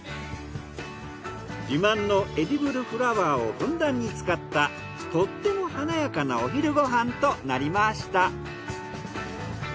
自慢のエディブルフラワーをふんだんに使ったとっても華やかなお昼ご飯となりました。